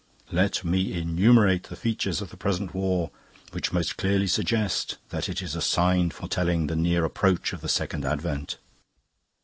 "Let me enumerate the features of the present war which most clearly suggest that it is a Sign foretelling the near approach of the Second Advent.